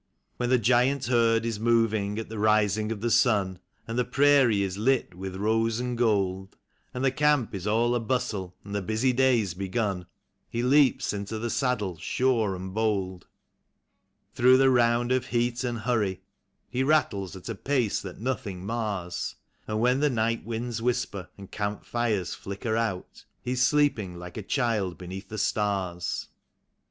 When the giant herd is moving at the rising of the sun, And the prairie is lit with rose and gold; And the camp is all abustle, and the busy day's begun, He leaps into the saddle sure and bold. 60 THE YOUNGER SON. Through the round of heat and hurry, through the racket and the rout, He rattles at a pace that nothing mars; And when the night winds whisper, and camp fires flicker out, He is sleeping like a child beneath the stars.